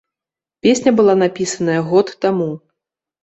Песня была напісаная год таму.